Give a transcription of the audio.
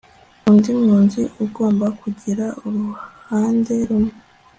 undi mwunzi ugomba kugira uruhande rumwe